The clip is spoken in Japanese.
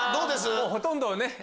もうほとんどね。